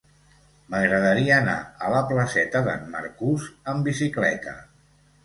M'agradaria anar a la placeta d'en Marcús amb bicicleta.